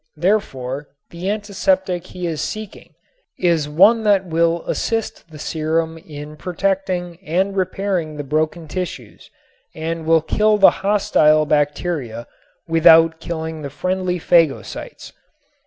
Therefore the antiseptic he is seeking is one that will assist the serum in protecting and repairing the broken tissues and will kill the hostile bacteria without killing the friendly phagocytes.